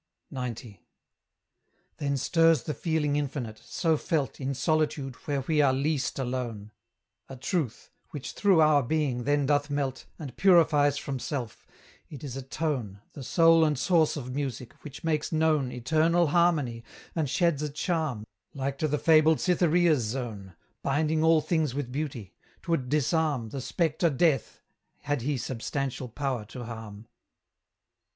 XC. Then stirs the feeling infinite, so felt In solitude, where we are LEAST alone; A truth, which through our being then doth melt, And purifies from self: it is a tone, The soul and source of music, which makes known Eternal harmony, and sheds a charm, Like to the fabled Cytherea's zone, Binding all things with beauty; 'twould disarm The spectre Death, had he substantial power to harm.